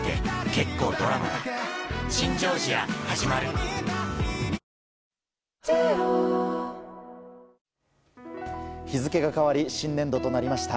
三菱電機日付が変わり新年度となりました。